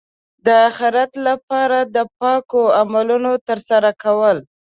د اخرت لپاره د پاکو عملونو ترسره کول.